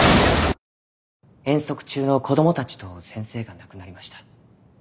遠足中の子供たちと先生が亡くなりました。